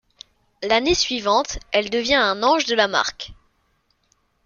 L'année suivante, elle devient un Ange de la marque.